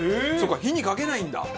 そうか火にかけないんだ！